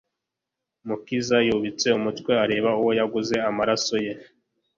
Umukiza yubitse umutwe areba uwo yaguze amaraso Ye